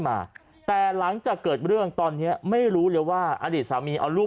มาแต่หลังจากเกิดเรื่องตอนเนี้ยไม่รู้เลยว่าอดีตสามีเอาลูก